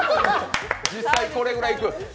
実際にこれぐらいいく？